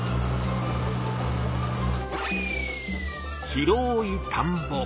広い田んぼ。